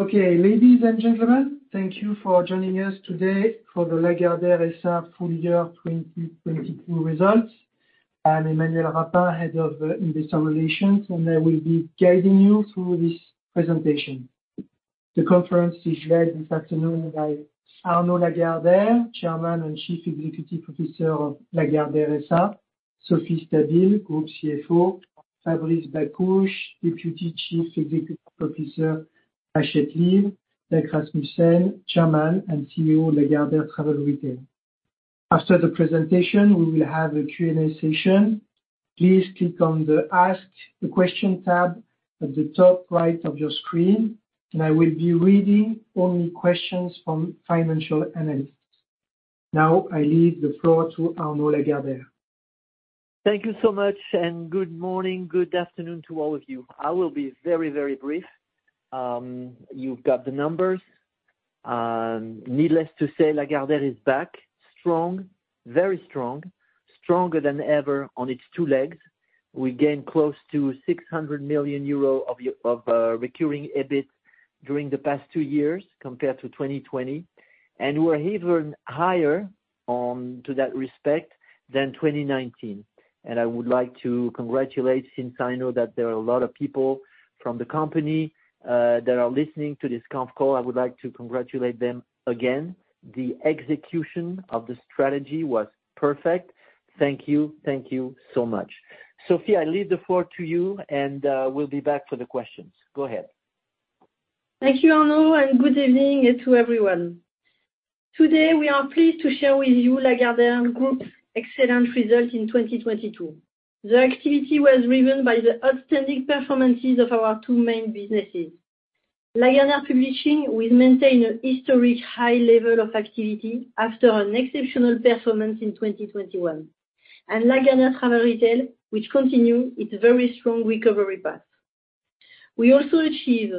Okay. Ladies and gentlemen, thank you for joining us today for the Lagardère SA full year 2022 results. I'm Emmanuel Rapin, head of investor relations. I will be guiding you through this presentation. The conference is led this afternoon by Arnaud Lagardère, Chairman and Chief Executive Officer of Lagardère SA, Sophie Stabile, group CFO, Fabrice Bakhouche, Deputy Chief Executive Officer, Hachette Livre, Dag Rasmussen, chairman and CEO, Lagardère Travel Retail. After the presentation, we will have a Q&A session. Please click on the Ask the Question tab at the top right of your screen. I will be reading only questions from financial analysts. I leave the floor to Arnaud Lagardère. Thank you so much. Good morning, good afternoon to all of you. I will be very, very brief. You've got the numbers. Needless to say, Lagardère is back strong, very strong, stronger than ever on its 2 legs. We gained close to 600 million euro of recurring EBIT during the past two years compared to 2020. We are even higher to that respect than 2019. I would like to congratulate, since I know that there are a lot of people from the company that are listening to this conf call, I would like to congratulate them again. The execution of the strategy was perfect. Thank you. Thank you so much. Sophie, I leave the floor to you. We'll be back for the questions. Go ahead. Thank you, Arnaud, and good evening to everyone. Today, we are pleased to share with you Lagardère Group's excellent results in 2022. The activity was driven by the outstanding performances of our two main businesses. Lagardère Publishing will maintain a historic high level of activity after an exceptional performance in 2021. Lagardère Travel Retail, which continue its very strong recovery path. We also achieve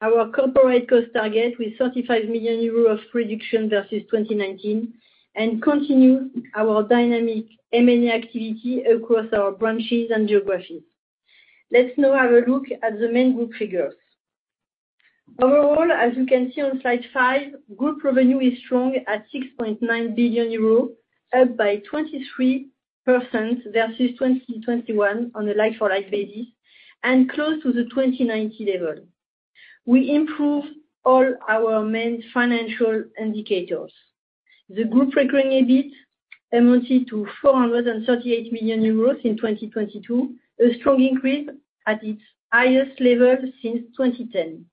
our corporate cost target with 35 million euros of reduction versus 2019, and continue our dynamic M&A activity across our branches and geographies. Let's now have a look at the main group figures. Overall, as you can see on slide five, group revenue is strong at 6.9 billion euros, up by 23% versus 2021 on a like-for-like basis and close to the 2019 level. We improve all our main financial indicators. The group recurring EBIT amounted to 438 million euros in 2022, a strong increase at its highest level since 2010.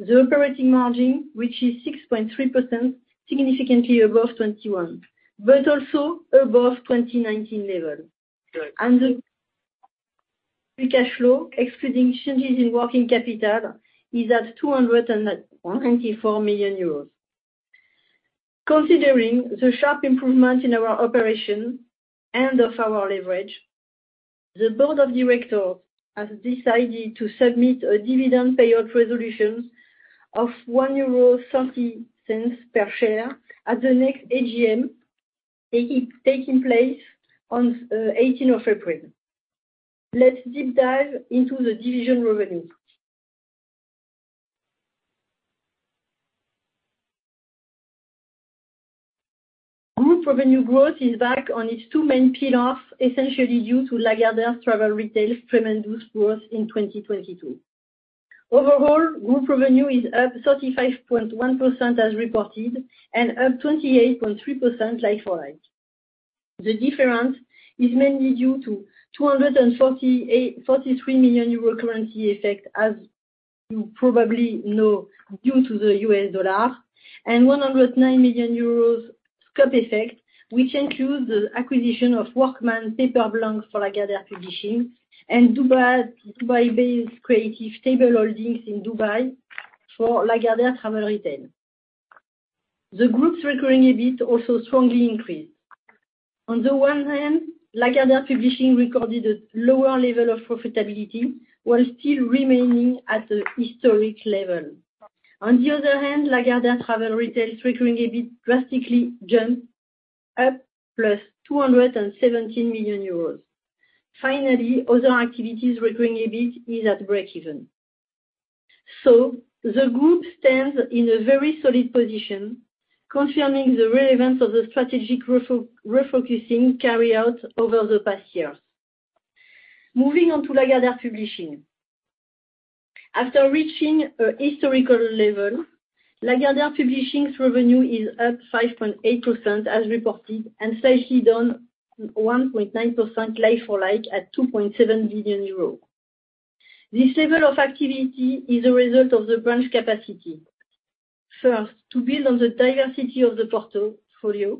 The operating margin, which is 6.3%, significantly above 2021, also above 2019 level. The free cash flow, excluding changes in working capital, is at 294 million euros. Considering the sharp improvement in our operation and of our leverage, the board of directors has decided to submit a dividend payout resolution of 1.30 euro per share at the next AGM taking place on 18th of April. Let's deep dive into the division revenue. Group revenue growth is back on its two main pillars, essentially due to Lagardère Travel Retail tremendous growth in 2022. Overall, group revenue is up 35.1% as reported and up 28.3% like-for-like. The difference is mainly due to 243 million euro currency effect, as you probably know, due to the U.S. dollar, and 109 million euros scope effect, which includes the acquisition of Workman Paperblanks for Lagardère Publishing and Dubai-based Creative Table Holdings in Dubai for Lagardère Travel Retail. The group's recurring EBIT also strongly increased. On the one hand, Lagardère Publishing recorded a lower level of profitability while still remaining at a historic level. On the other hand, Lagardère Travel Retail's recurring EBIT drastically jumped up +217 million euros. Other activities recurring EBIT is at break-even. The group stands in a very solid position, confirming the relevance of the strategic refocusing carried out over the past years. Moving on to Lagardère Publishing. After reaching a historical level, Lagardère Publishing's revenue is up 5.8% as reported and slightly down 1.9% like-for-like at 2.7 billion euros. This level of activity is a result of the branch capacity. First, to build on the diversity of the portfolio.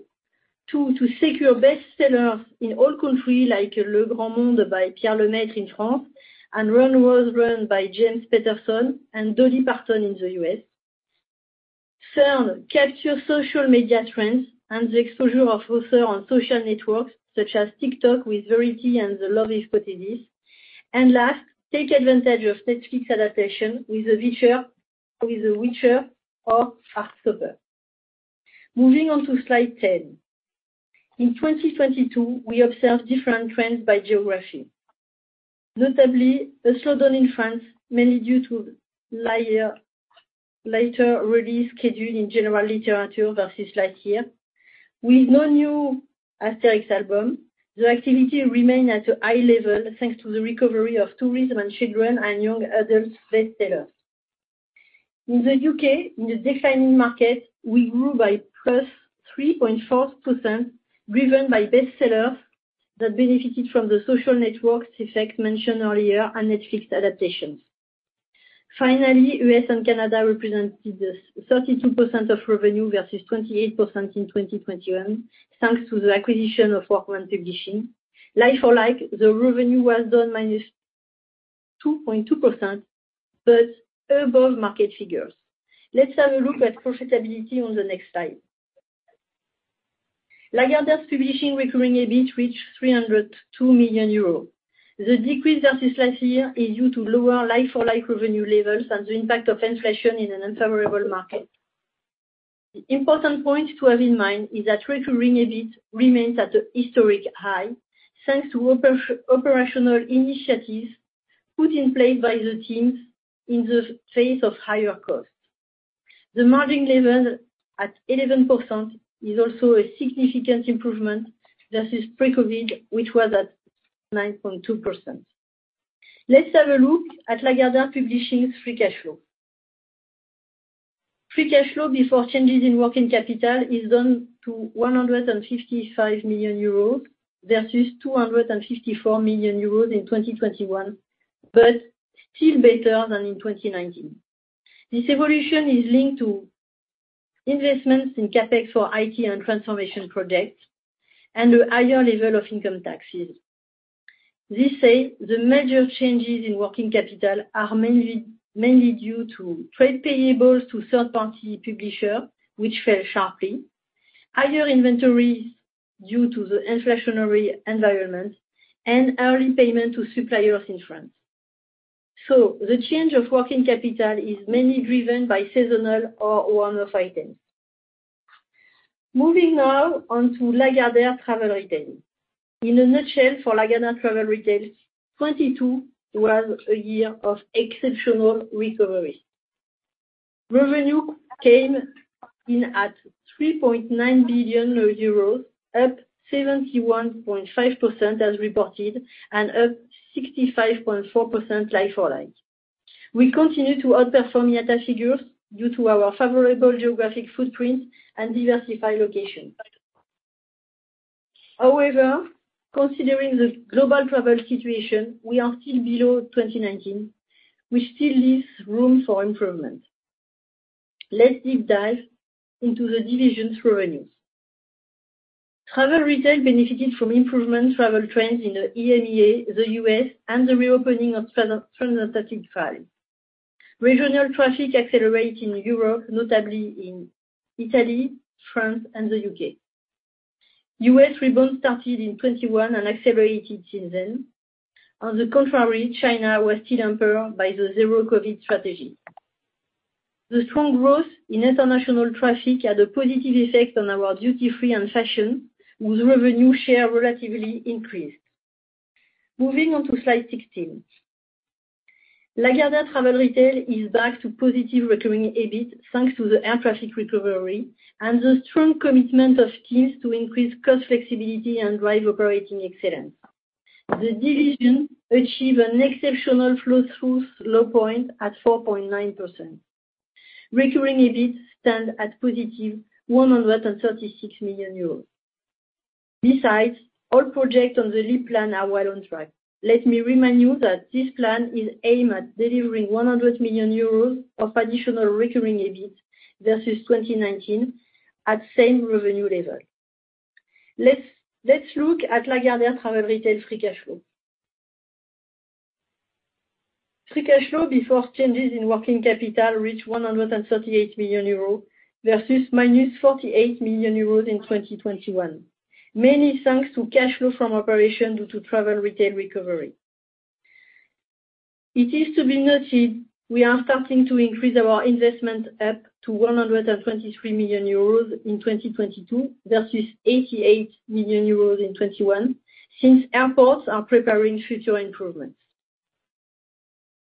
Two, to secure bestsellers in all countries like Le Grand Monde by Pierre Lemaitre in France and Run Rose Run by James Patterson and Dolly Parton in the U.S. Third, capture social media trends and the exposure of authors on social networks such as TikTok with Verity and The Lovely Bones. Last, take advantage of Netflix adaptation with The Witcher or Arc sobre. Moving on to slide 10. In 2022, we observed different trends by geography. Notably, a slowdown in France, mainly due to later release scheduled in general literature versus last year. With no new Asterix album, the activity remained at a high level, thanks to the recovery of tourism and children and young adults bestsellers. In the U.K., in the defining market, we grew by +3.4%, driven by bestsellers that benefited from the social networks effect mentioned earlier and Netflix adaptations. Finally, U.S. and Canada represented 32% of revenue versus 28% in 2021, thanks to the acquisition of Workman Publishing. Like-for-like, the revenue was down -2.2%, but above market figures. Let's have a look at profitability on the next slide. Lagardère Publishing recurring EBIT reached 302 million euros. The decrease versus last year is due to lower like-for-like revenue levels and the impact of inflation in an unfavorable market. The important point to have in mind is that recurring EBIT remains at a historic high, thanks to operational initiatives put in place by the teams in the face of higher costs. The margin level at 11% is also a significant improvement versus pre-COVID, which was at 9.2%. Let's have a look at Lagardère Publishing free cash flow. Free cash flow before changes in working capital is down to 155 million euros versus 254 million euros in 2021, but still better than in 2019. This evolution is linked to investments in CapEx for IT and transformation projects and a higher level of income taxes. This said, the major changes in working capital are mainly due to trade payables to third party publisher, which fell sharply, higher inventories due to the inflationary environment, and early payment to suppliers in France. The change of working capital is mainly driven by seasonal or one-off items. Moving now on to Lagardère Travel Retail. In a nutshell, for Lagardère Travel Retail, 2022 was a year of exceptional recovery. Revenue came in at 3.9 billion euros, up 71.5% as reported, and up 65.4% like-for-like. We continue to outperform IATA figures due to our favorable geographic footprint and diversified location. However, considering the global travel situation, we are still below 2019, which still leaves room for improvement. Let's deep dive into the division's revenues. Travel retail benefited from improvement travel trends in the EMEA, the U.S., and the reopening of transatlantic travel. Regional traffic accelerate in Europe, notably in Italy, France, and the U.K. U.S. rebound started in 2021 and accelerated since then. On the contrary, China was still hampered by the zero-COVID strategy. The strong growth in international traffic had a positive effect on our duty-free and fashion, whose revenue share relatively increased. Moving on to slide 16. Lagardère Travel Retail is back to positive recurring EBIT, thanks to the air traffic recovery and the strong commitment of teams to increase cost flexibility and drive operating excellence. The division achieved an exceptional flow through low point at 4.9%. Recurring EBIT stand at positive 136 million euros. Besides, all projects on the LEAP plan are well on track. Let me remind you that this plan is aimed at delivering 100 million euros of additional recurring EBIT versus 2019 at same revenue level. Let's look at Lagardère Travel Retail free cash flow. Free cash flow before changes in working capital reached 138 million euros versus minus 48 million euros in 2021, mainly thanks to cash flow from operation due to travel retail recovery. It is to be noted, we are starting to increase our investment up to 123 million euros in 2022 versus 88 million euros in 2021, since airports are preparing future improvements.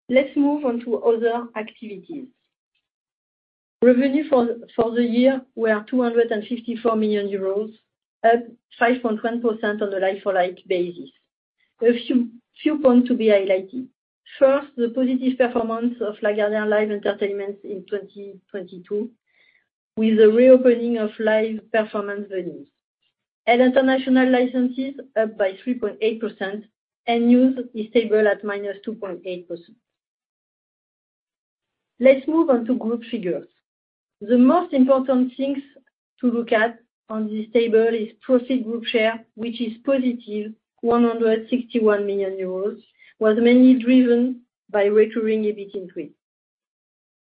Let's move on to other activities. Revenue for the year were 254 million euros, up 5.1% on a like-for-like basis. A few points to be highlighted. The positive performance of Lagardère Live Entertainment in 2022, with the reopening of live performance venues. International licenses up by 3.8%, and news is stable at -2.8%. Let's move on to group figures. The most important things to look at on this table is profit group share, which is positive 161 million euros, was mainly driven by recurring EBIT increase.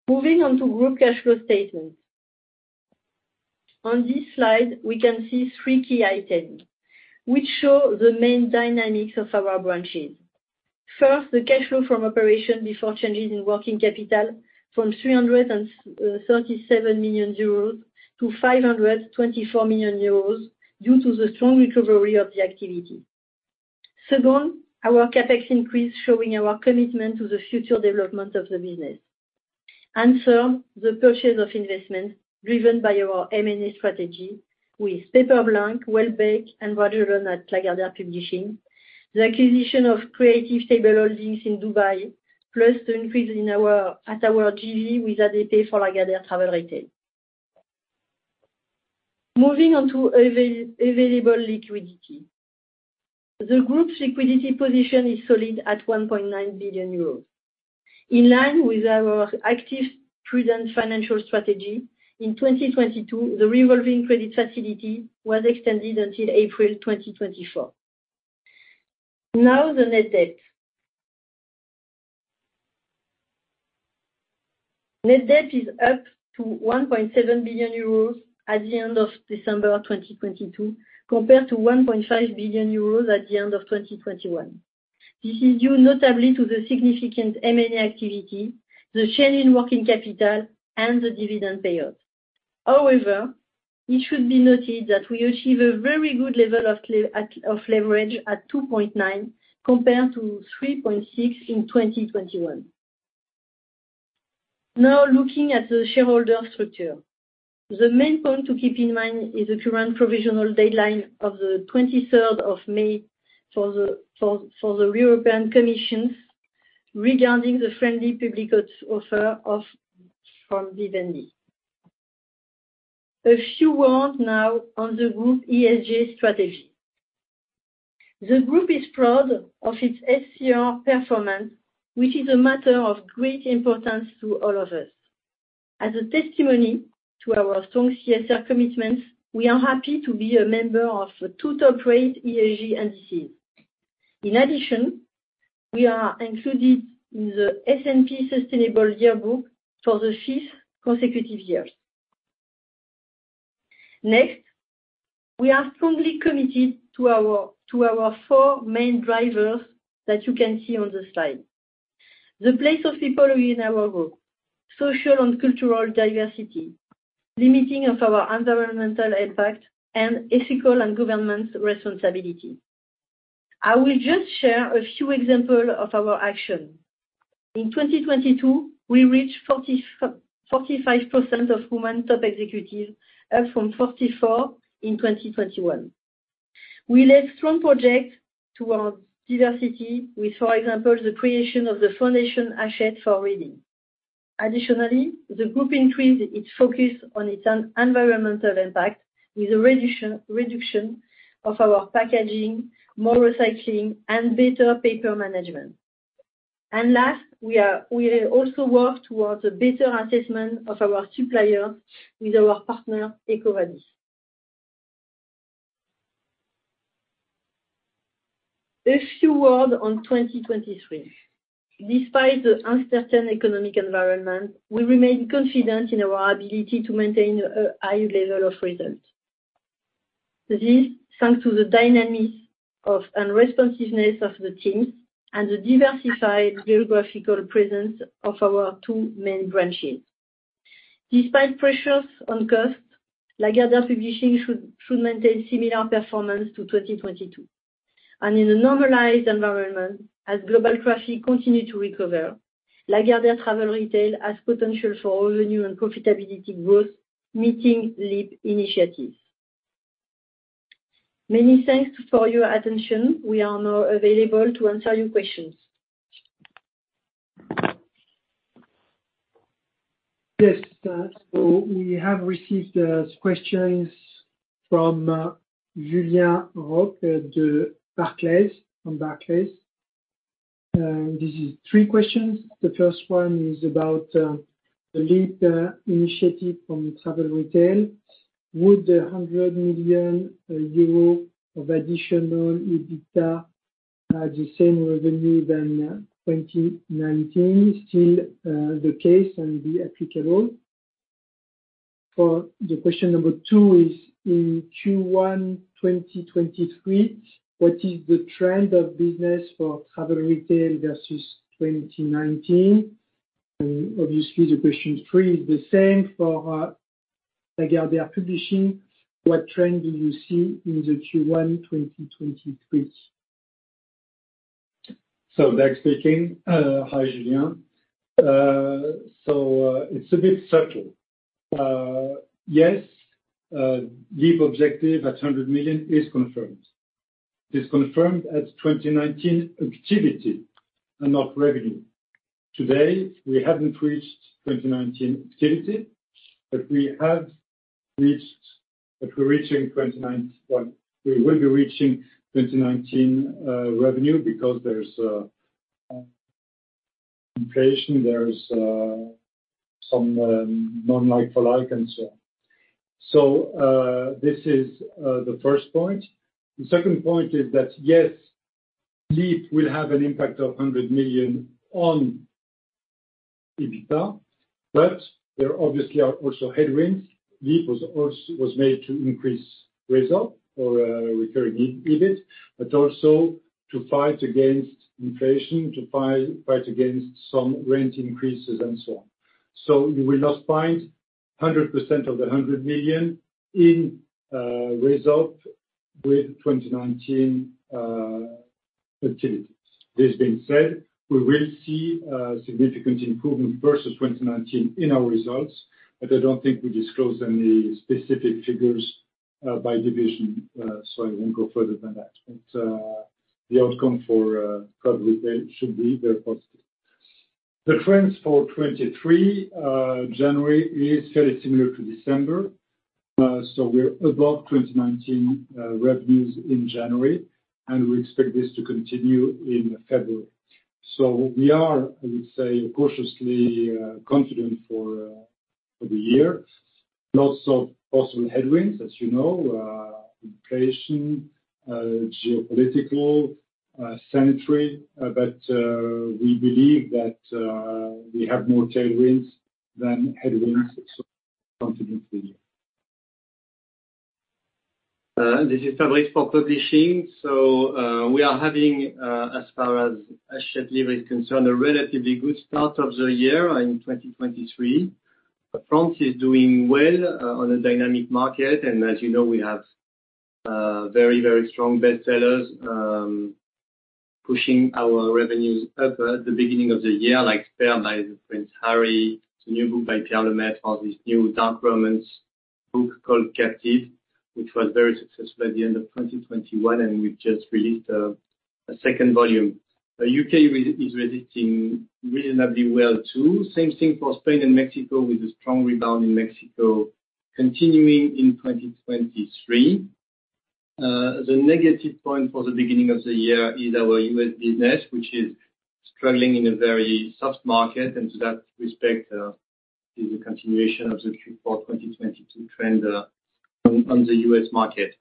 Moving on to group cash flow statement. On this slide, we can see three key items which show the main dynamics of our branches. First, the cash flow from operation before changes in working capital from 337 million euros to 524 million euros due to the strong recovery of the activity. Our CapEx increase showing our commitment to the future development of the business. The purchase of investment driven by our M&A strategy with Paperblanks, Welbeck and Vagabond at Lagardère Publishing, the acquisition of Creative Table Holdings in Dubai, plus the increase at our JV with ADP for Lagardère Travel Retail. Moving on to available liquidity. The group's liquidity position is solid at 1.9 billion euros. In line with our active prudent financial strategy, in 2022, the revolving credit facility was extended until April 2024. The net debt. Net debt is up to 1.7 billion euros at the end of December 2022, compared to 1.5 billion euros at the end of 2021. This is due notably to the significant M&A activity, the change in working capital, and the dividend payout. However, it should be noted that we achieve a very good level of leverage at 2.9, compared to 3.6 in 2021. Looking at the shareholder structure. The main point to keep in mind is the current provisional deadline of the 23rd of May for the European Commission regarding the friendly public offer from Vivendi. A few words now on the group ESG strategy. The group is proud of its CSR performance, which is a matter of great importance to all of us. As a testimony to our strong CSR commitments, we are happy to be a member of two top-rate ESG indices. In addition, we are included in the S&P Global Sustainability Yearbook for the 5th consecutive year. We are strongly committed to our four main drivers that you can see on the slide. The place of people in our group, social and cultural diversity, limiting of our environmental impact, and ethical and governance responsibility. I will just share a few example of our action. In 2022, we reached 45% of women top executive, up from 44 in 2021. We led strong project towards diversity with, for example, the creation of the Foundation Hachette pour la lecture. Additionally, the group increased its focus on its environmental impact with a reduction of our packaging, more recycling, and better paper management. Last, we also work towards a better assessment of our supplier with our partner, EcoVadis. A few word on 2023. Despite the uncertain economic environment, we remain confident in our ability to maintain a high level of results. This, thanks to the dynamics of and responsiveness of the teams and the diversified geographical presence of our two main branches. Despite pressures on costs, Lagardère Publishing should maintain similar performance to 2022. In a normalized environment, as global traffic continue to recover, Lagardère Travel Retail has potential for revenue and profitability growth, meeting LEAP initiatives. Many thanks for your attention. We are now available to answer your questions. Yes, we have received some questions from Julien Hart at Barclays, from Barclays. This is three questions. The first one is about the LEAP initiative from Travel Retail. Would the 100 million euro of additional EBITDA at the same revenue than 2019 still the case and be applicable? The question number two is in Q1 2023, what is the trend of business for Travel Retail versus 2019? Obviously, the question three is the same for Lagardère Publishing. What trend do you see in the Q1 2023? Dag speaking. Hi, Julian. It's a bit subtle. yes, LEAP objective at 100 million is confirmed. It's confirmed at 2019 activity and not revenue. Today, we haven't reached 2019 activity, but we will be reaching 2019 revenue because there's inflation, there's some non-like-for-like and so on. This is the first point. The second point is that, yes, LEAP will have an impact of 100 million. There obviously are also headwinds. LEAP was made to increase result or recurring EBIT, but also to fight against inflation, to fight against some rent increases and so on. You will not find 100% of the 100 million in result with 2019 activities. This being said, we will see a significant improvement versus 2019 in our results. I don't think we disclosed any specific figures by division, so I won't go further than that. The outcome for Travel Retail should be very positive. The trends for 2023, January is very similar to December. We're above 2019 revenues in January, and we expect this to continue in February. We are, I would say, cautiously confident for the year. Lots of possible headwinds, as you know, inflation, geopolitical, sanitary, but we believe that we have more tailwinds than headwinds, so confidence for the year. This is Fabrice for Publishing. We are having, as far as Hachette Livre is concerned, a relatively good start of the year in 2023. France is doing well, on a dynamic market. As you know, we have, very, very strong bestsellers, pushing our revenues up at the beginning of the year, like Spare by Prince Harry. It's a new book by Pierre Lemaitre, or this new dark romance book called Captive, which was very successful at the end of 2021. We've just released, a second volume. The U.K. is resisting reasonably well too. Same thing for Spain and Mexico, with a strong rebound in Mexico continuing in 2023. The negative point for the beginning of the year is our U.S. business, which is struggling in a very soft market. In that respect, is a continuation of the Q4 2022 trend, on the U.S. market.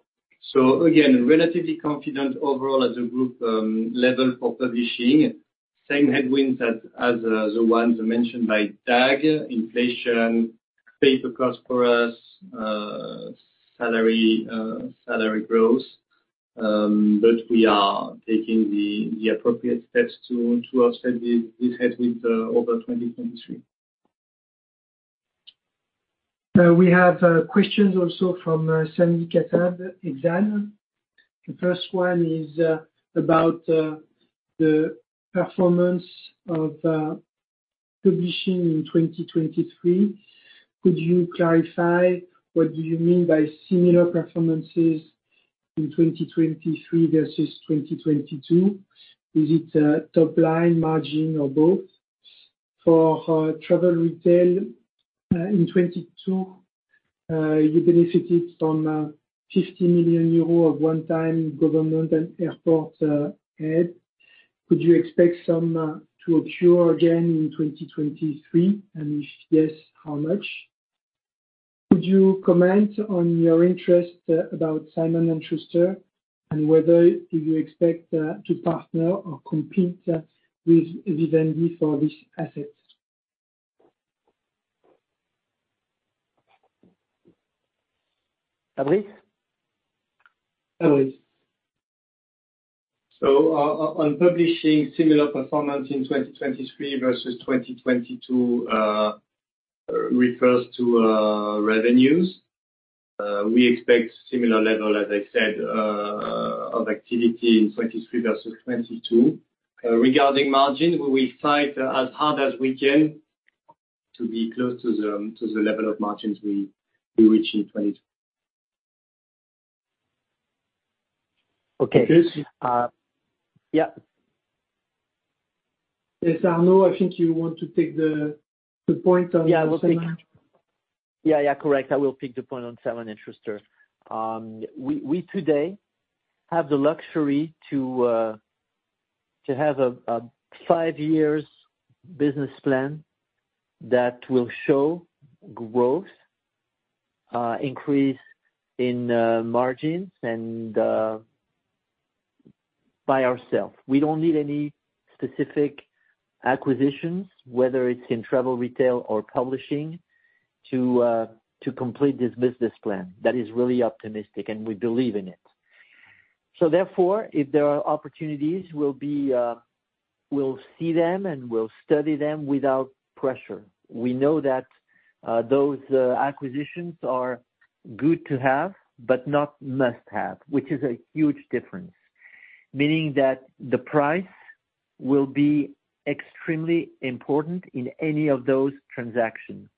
Again, relatively confident overall at the group level for Publishing. Same headwinds as the ones mentioned by Dag: inflation, paper costs for us, salary growth. We are taking the appropriate steps to offset these headwinds over 2023. We have questions also from [Sandy Katab, Exane]. The first one is about the performance of publishing in 2023. Could you clarify what do you mean by similar performances in 2023 versus 2022? Is it top line, margin, or both? For Travel Retail, in 2022, you benefited from 50 million euro of one-time government and airport aid. Could you expect some to occur again in 2023? If yes, how much? Could you comment on your interest about Simon & Schuster, and whether if you expect to partner or compete with Vivendi for this asset? Fabrice? Fabrice. On publishing similar performance in 2023 versus 2022, refers to revenues. We expect similar level, as I said, of activity in 2023 versus 2022. Regarding margin, we will fight as hard as we can to be close to the level of margins we reached in 2022. Okay. Yes. Yeah. Yes, Arnaud, I think you want to take the point on Simon-. Yeah, correct. I will pick the point on Simon & Schuster. We today have the luxury to have a five years business plan that will show growth, increase in margins and by ourself. We don't need any specific acquisitions, whether it's in Travel Retail or Publishing, to complete this business plan. That is really optimistic, and we believe in it. Therefore, if there are opportunities, we'll see them and we'll study them without pressure. We know that those acquisitions are good to have, but not must have, which is a huge difference. Meaning that the price will be extremely important in any of those transactions.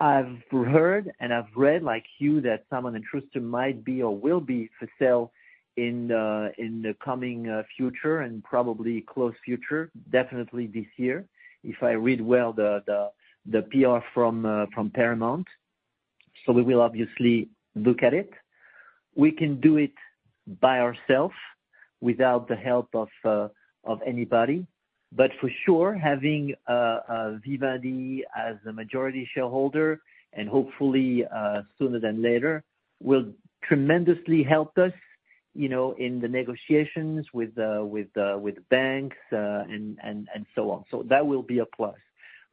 I've heard and I've read, like you, that Simon & Schuster might be or will be for sale in the coming future and probably close future, definitely this year, if I read well the PR from Paramount. We will obviously look at it. We can do it by ourself without the help of anybody. For sure, having Vivendi as the majority shareholder, and hopefully, sooner than later, will tremendously help us, you know, in the negotiations with the banks, and so on. That will be a plus.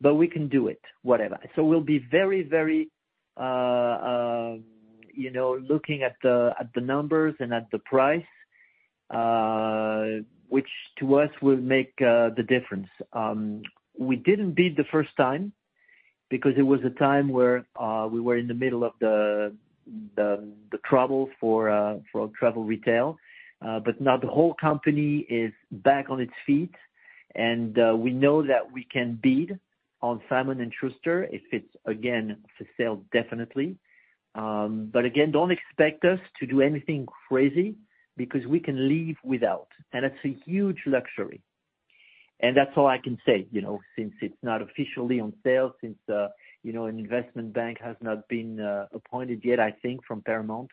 We can do it, whatever. We'll be very, very, you know, looking at the numbers and at the price, which to us will make the difference. We didn't bid the first time because it was a time where we were in the middle of the trouble for travel retail. Now the whole company is back on its feet and we know that we can bid on Simon & Schuster if it's, again, for sale, definitely. Again, don't expect us to do anything crazy because we can live without, and that's a huge luxury. That's all I can say, you know, since it's not officially on sale, since, you know, an investment bank has not been appointed yet, I think, from Paramount.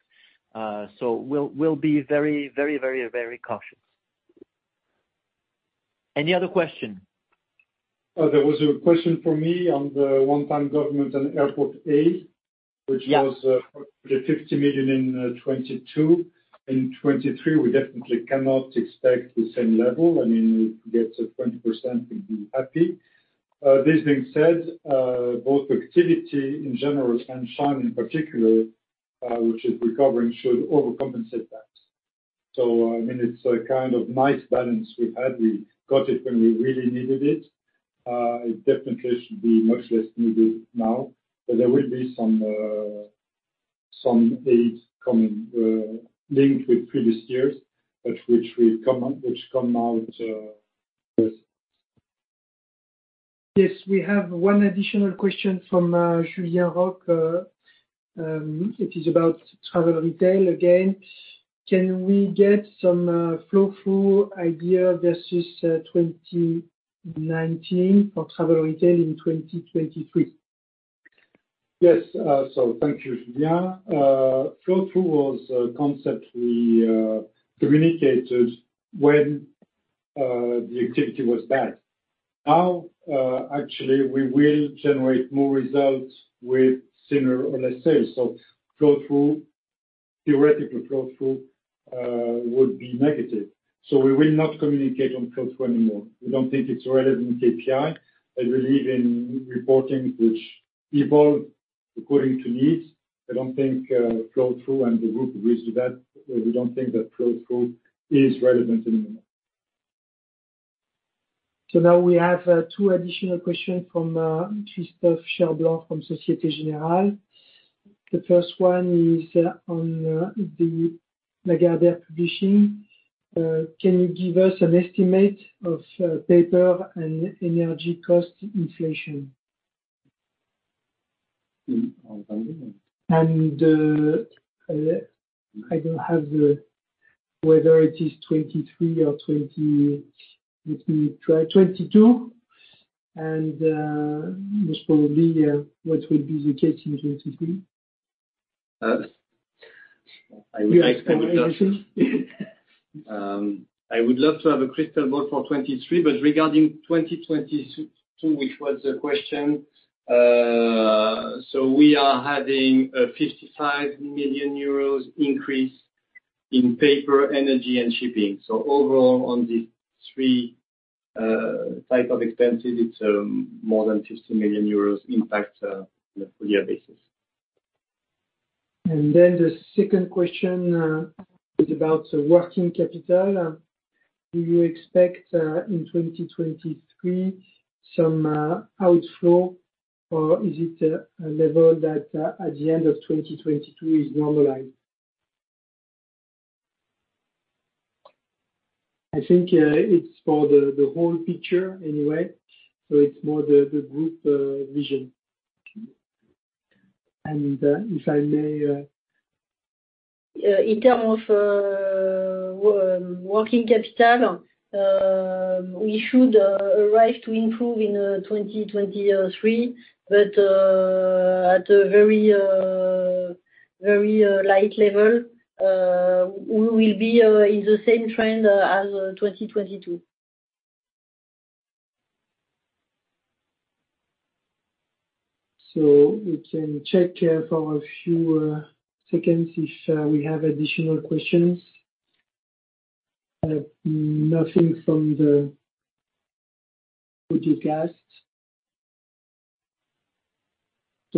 We'll be very, very, very, very cautious. Any other question? There was a question for me on the one-time government and airport aid. Yeah. -which was EUR 50 million in 2022. In 2023, we definitely cannot expect the same level. I mean, if we get 20% we'd be happy. This being said, both activity in general and China in particular, which is recovering, should overcompensate that. I mean, it's a kind of nice balance we've had. We got it when we really needed it. It definitely should be much less needed now. There will be some aid coming, linked with previous years, but which come out with- Yes, we have one additional question from Julia Rock. It is about travel retail again, can we get some flow through idea versus 2019 for travel retail in 2023? Yes. Thank you, Julia. Flow through was a concept we communicated when the activity was bad. Now, actually, we will generate more results with similar or less sales. Flow through, theoretically, flow through would be negative. We will not communicate on flow through anymore. We don't think it's relevant KPI. I believe in reporting which evolve according to needs. I don't think, flow through and the group agrees with that. We don't think that flow through is relevant anymore. Now we have two additional questions from Christophe Cherblanc from Société Générale. The first one is on the Lagardère Publishing. Can you give us an estimate of paper and energy cost inflation? In what value? I don't have whether it is 2023 or 2022 and, most probably, what will be the case in 2023. I would love. You have to make a guess. I would love to have a crystal ball for 2023. Regarding 2022, which was the question, we are adding a 55 million euros increase in paper, energy, and shipping. Overall, on these three type of expenses, it's more than 50 million euros impact on a full year basis. The second question is about working capital. Do you expect in 2023 some outflow or is it a level that at the end of 2023 is normalized? I think it's for the whole picture anyway, it's more the group vision. Okay. If I may. In terms of working capital, we should arrive to improve in 2023, but at a very, very light level, we will be in the same trend as 2022. We can check here for a few seconds if we have additional questions. Nothing from the podcast.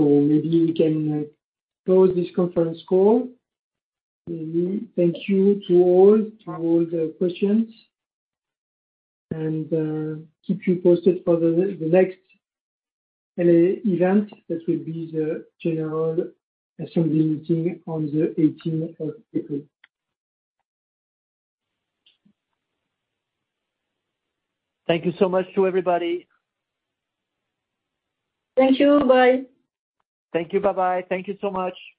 Maybe we can close this conference call. Maybe thank you to all the questions. Keep you posted for the next L.A. event. That will be the general assembly meeting on the 18th of April. Thank you so much to everybody. Thank you. Bye. Thank you. Bye-bye. Thank you so much.